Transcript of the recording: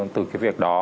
từ cái việc đó